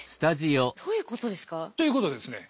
どういうことですか？ということでですね